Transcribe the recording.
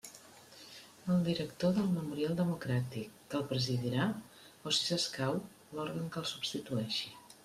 El director del Memorial Democràtic, que el presidirà, o, si s'escau, l'òrgan que el substitueixi.